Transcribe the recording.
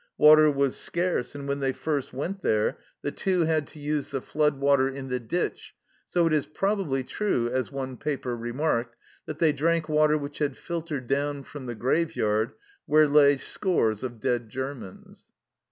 Water was scarce, and when they first went there the Two had to use 124 THE CELLAR HOUSE OF PERVYSE the flood water in the ditch, so it is probably true, as one paper remarked, that they drank water which had filtered down from the graveyard, where lay scores of dead Germans